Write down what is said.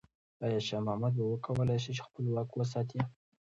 آیا شاه محمود به وکولای شي چې خپل واک وساتي؟